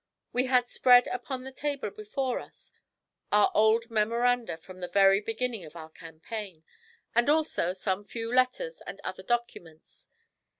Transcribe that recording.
We had spread upon the table before us our old memoranda from the very beginning of our campaign, and also some few letters and other documents.